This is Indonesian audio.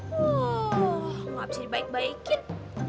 woh gak bisa dibaik baikin